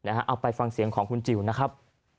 เอาไปฟังเสียงของคุณจิลนะครับ